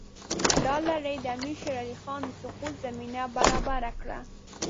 دا لړۍ د امیر شېر علي خان د سقوط زمینه برابره کړه.